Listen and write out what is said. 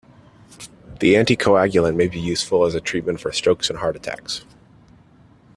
The anticoagulant may be useful as a treatment for strokes and heart attacks.